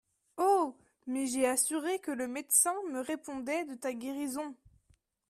Oh ! mais, j’ai assuré que le médecin me répondait de ta guérison.